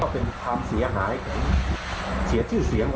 เป็นความเสียหายเสียชื่อเสียง